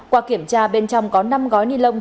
qua kiểm tra bên trong có năm gói ni lông